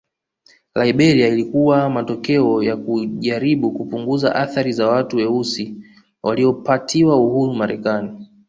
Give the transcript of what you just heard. Liberia ilikuwa matokeo ya kujaribu kupunguza athari za watu weusi waliopatiwa uhuru Marekani